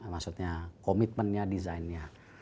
maksudnya komitmennya designnya